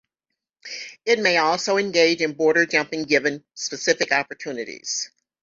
It may also engage in border jumping given specific opportunities.